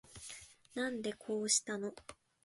なんでこうしたの